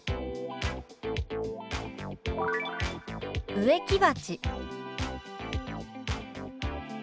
「植木鉢」。